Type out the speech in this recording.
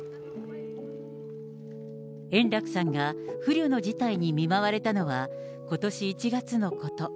円楽さんが不慮の事態に見舞われたのは、ことし１月のこと。